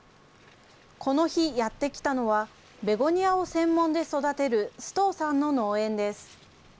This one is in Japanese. この日、やって来たのは、ベゴニアを専門で育てる須藤さんの農園です。